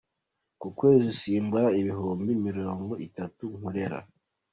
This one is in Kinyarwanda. Ku kwezi simbura ibihumbi miringo itatu nkorera.